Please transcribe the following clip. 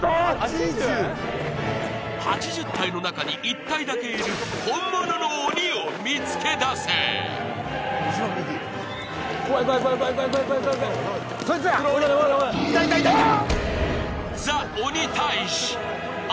８０体の中に１体だけいる本物の鬼を見つけ出せ・そいつやいたいたいたいた！